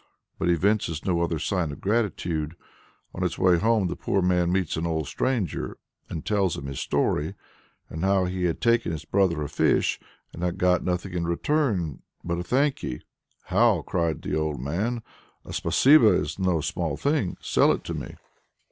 but evinces no other sign of gratitude. On his way home the poor man meets an old stranger and tells him his story how he had taken his brother a fish and had got nothing in return but a "thank ye." "How!" cries the old man. "A spasibo is no small thing. Sell it to me!"